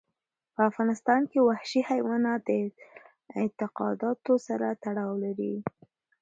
په افغانستان کې وحشي حیوانات د اعتقاداتو سره تړاو لري.